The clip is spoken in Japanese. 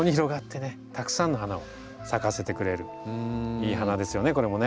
いい花ですよねこれもね。